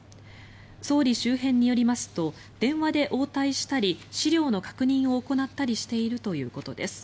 総理周辺によりますと電話で応対したり資料の確認を行ったりしているということです。